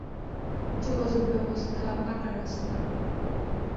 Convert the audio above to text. যোগাযোগ ব্যবস্থা পাঁকা রাস্তা।